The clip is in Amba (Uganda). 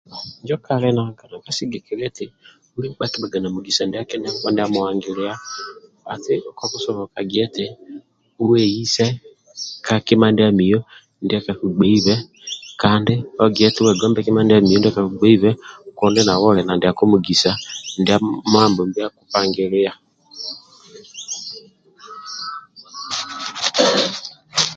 Injo kali nanka sigikilia eti buli nkpa akibhaga na mugisa ndia Mambombi akupangilia hati kolusoboga gia eti weise ka kima ndiamio ndia kakugbeibe kandi ogie eti wegombe kima ndiamio ndia akakugbeibe kundi nawe oli na mugisa ndia Mabombi akupangilia